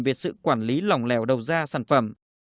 về sự quản lý lòng lèo đầu ra sản phẩm